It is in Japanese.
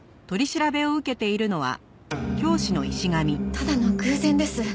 ただの偶然です。